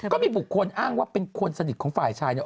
ก็มีบุคคลอ้างว่าเป็นคนสนิทของฝ่ายชายเนี่ย